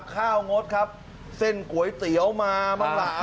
งดครับเส้นก๋วยเตี๋ยวมาบ้างล่ะ